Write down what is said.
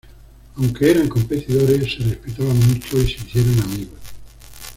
Aunque eran competidores, se respetaban mucho y se hicieron amigos.